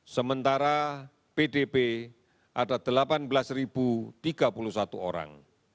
sementara pdb ada delapan belas tiga puluh satu orang